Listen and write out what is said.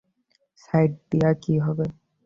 Site দিয়া কী হবে?